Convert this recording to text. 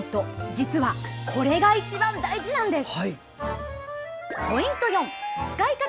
実はこれが一番大事なんです。